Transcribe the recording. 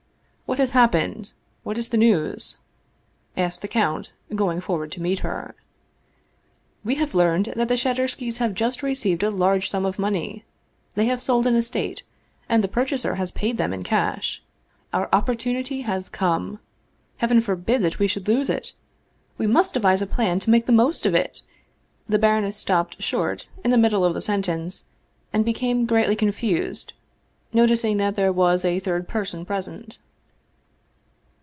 "What has happened? What is the news?" asked the count, going forward to meet her. " We have learned that the Shadurskys have just received a large sum of money; they have sold an estate, and the purchaser has paid them in cash. Our opportunity has come. Heaven forbid that we should lose it! We must devise a plan to make the most of it." The baroness suddenly stopped short in the middle of the sentence, and became greatly confused, noticing that there was a third person present.